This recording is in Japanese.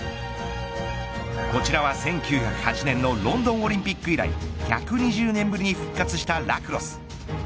こちらは１９０８年ロンドンオリンピック以来１２０年ぶりに復活したラクロス。